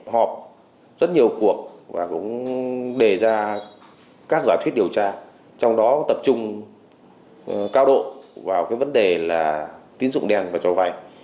họp rất nhiều cuộc và cũng đề ra các giả thuyết điều tra trong đó tập trung cao độ vào cái vấn đề là tín dụng đen và cho vay